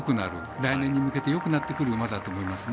来年に向けてよくなってくる馬だと思いますね。